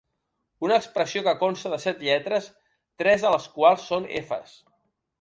Una expressió que consta de set lletres, tres de les quals són efes”.